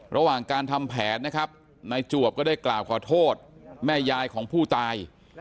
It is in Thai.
ระหว่างการทำแผนนะครับนายจวบก็ได้กล่าวขอโทษแม่ยายของผู้ตาย